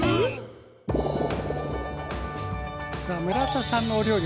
さあ村田さんのお料理